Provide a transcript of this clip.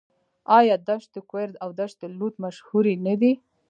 آیا دشت کویر او دشت لوت مشهورې نه دي؟